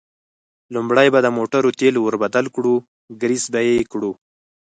لومړی به د موټرو تېل ور بدل کړو، ګرېس به یې کړو.